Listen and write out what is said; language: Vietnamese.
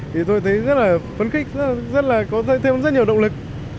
thì tôi thấy rất là phấn khích rất là có thêm rất nhiều động lực